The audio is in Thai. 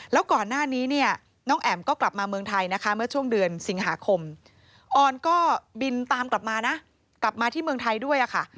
แล้วก่อนหน้านี้เนี่ยน้องแอ๋มก็กลับมาเมืองไทยนะคะเมื่อช่วงเดือนสิงหาคมออนก็บินตามกลับมานะกลับมาที่เมืองไทยด้วยค่ะ